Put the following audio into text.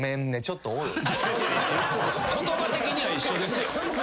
言葉的には一緒ですよ。